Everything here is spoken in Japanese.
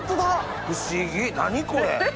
不思議何これ。